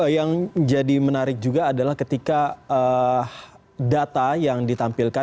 yang jadi menarik juga adalah ketika data yang ditampilkan